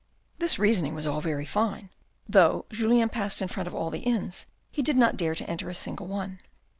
This reasoning was all very fine. Though Julien passed in front of all the inns, he did not dare to enter a single one.